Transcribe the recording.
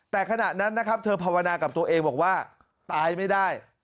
แต่ขณะนั้นนะครับเธอภาวนากับตัวเองบอกว่าตายไม่ได้